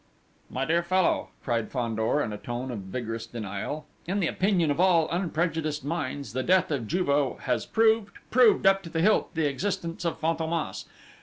"My dear fellow," cried Fandor, in a tone of vigorous denial, "in the opinion of all unprejudiced minds, the death of Juve has proved, proved up to the hilt, the existence of Fantômas....